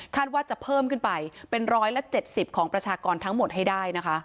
ว่าจะเพิ่มขึ้นไปเป็น๑๗๐ของประชากรทั้งหมดให้ได้นะคะ